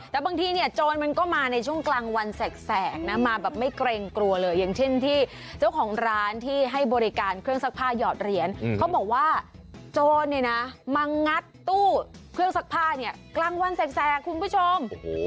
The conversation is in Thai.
แต่บางทีเนี่ยโจรมันก็มาในช่วงกลางวันแสกนะมาแบบไม่เกรงกลัวเลยอย่างเช่นที่เจ้าของร้านที่ให้บริการเครื่องซักผ้าหยอดเหรียญเขาบอกว่าโจรเนี่ยนะมางัดตู้เครื่องซักผ้าเนี่ยกลางวันแสกคุณผู้ชม